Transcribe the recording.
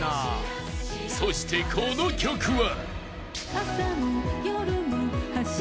そしてこの曲は］